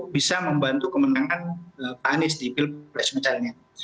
bisa membantu kemenangan pak anies di pilpres misalnya